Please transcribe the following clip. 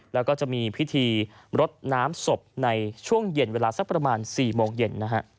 แล้วก็จะมีพิธีรดน้ำศพในช่วงเย็นเวลาสักประมาณ๔โมงเย็นนะฮะ